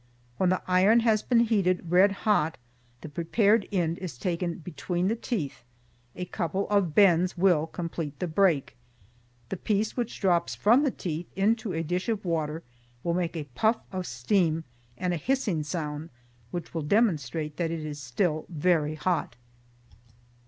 When the iron has been heated red hot, the prepared end is taken between the teeth, a couple of bends will complete the break. The piece which drops from the teeth into a dish of water will make a puff of steam and a hissing sound, which will demonstrate that it is still very hot.